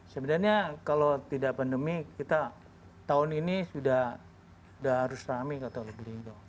sebenarnya kalau tidak pandemi kita tahun ini sudah harus ramai katakanlah bu linggau